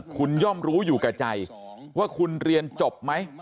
คุณย่อมรู้อยู่แก่ใจว่าคุณเรียนจบไหม